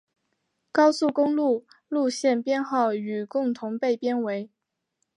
高速公路路线编号与共同被编为。